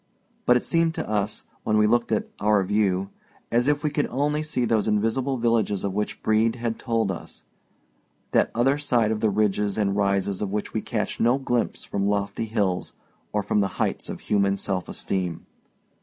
But it seemed to us, when we looked at "our view," as if we could only see those invisible villages of which Brede had told us—that other side of the ridges and rises of which we catch no glimpse from lofty hills or from the heights of human self esteem.